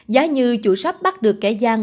giá như chủ shop bắt được kẻ gian